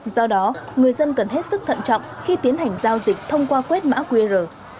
do đó người dân cần hết sức thận trọng khi tiến hành giao dịch thông qua quét mã qr